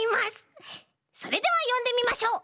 それではよんでみましょう！